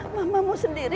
mama mau sendiri